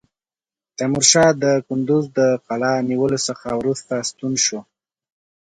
تیمورشاه کندوز د قلا نیولو څخه وروسته ستون شو.